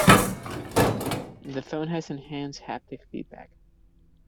The phone has enhanced haptic feedback.